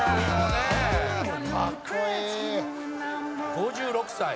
「５６歳。